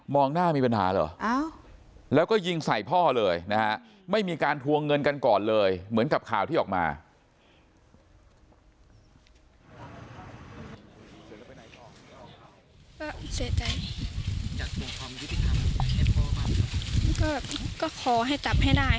ก็ขอให้จัดให้ได้ค่ะไม่ใช่ว่าปล่อย